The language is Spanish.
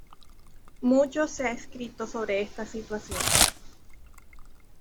Mucho se ha escrito sobre esta situación.